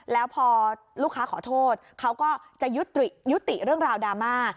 แล้วพอลูกค้าขอโทษเขาก็จะยุติเรื่องราวดราม่า